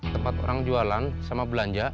tempat orang jualan sama belanja